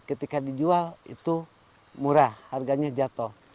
ketika dijual itu murah harganya jatuh